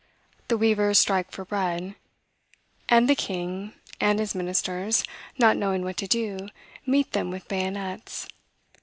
The weavers strike for bread; and the king and his ministers, not knowing what to do, meet them with bayonets.